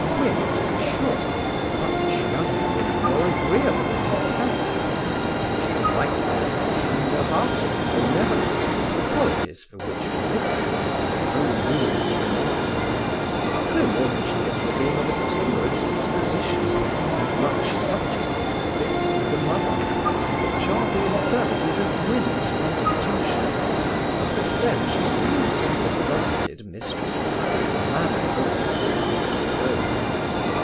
Win, to be sure, is much younger and more agreeable in her person; she is likewise tender hearted and benevolent, qualities for which her mistress is by no means remarkable, no more than she is for being of a timorous disposition, and much subject to fits of the mother, which are the infirmities of Win's constitution: but then she seems to have adopted Mrs Tabby's manner with her cast cloaths.